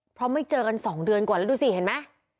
เพราะไม่เจอกัน๒เดือนกว่าแล้วดูสิเห็นไหม